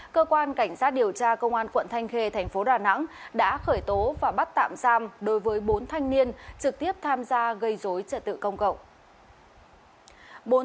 cơ quan cảnh sát điều tra công an quận thanh khê thành phố đà nẵng đã khởi tố và bắt tạm giam đối với bốn thanh niên trực tiếp tham gia gây dối trật tự công cộng